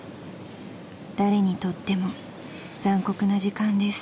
［誰にとっても残酷な時間です］